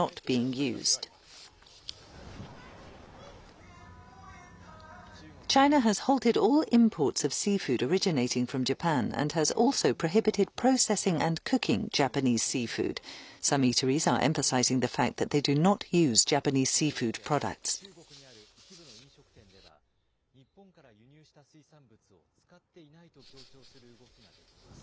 これを受け、中国にある一部の飲食店では、日本から輸入した水産物を使っていないと強調する動きが出ています。